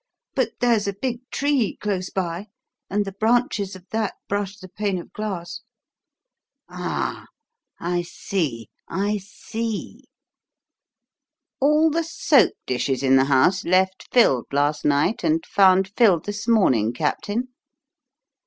But there's a big tree close by, and the branches of that brush the pane of glass." "Ah! I see! I see! All the soap dishes in the house left filled last night and found filled this morning, captain?"